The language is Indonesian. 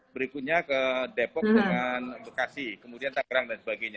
berikutnya ke depok dengan bekasi kemudian tangerang dan sebagainya